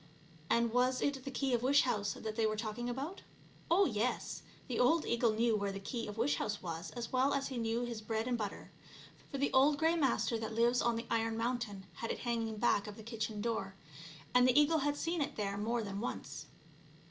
And was it the key of wish house that they were talking about ? Oh, yes; the old eagle knew where the key of wish house was as well as he knew his bread and butter, for the old Grey Master that lives on the iron mountain had it hanging back of the kitchen door, and the eagle had seen it there more than once.